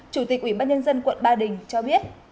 chủ tịch ubnd quận ba đình cho biết